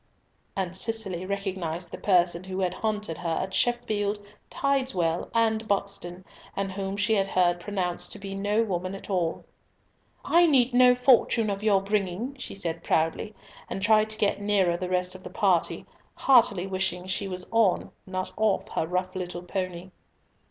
And Cicely recognised the person who had haunted her at Sheffield, Tideswell, and Buxton, and whom she had heard pronounced to be no woman at all. "I need no fortune of your bringing," she said proudly, and trying to get nearer the rest of the party, heartily wishing she was on, not off, her little rough pony.